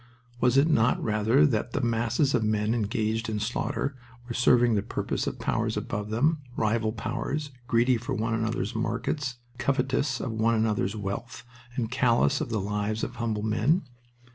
Was it not rather that the masses of men engaged in slaughter were serving the purpose of powers above them, rival powers, greedy for one another's markets, covetous of one another's wealth, and callous of the lives of humble men?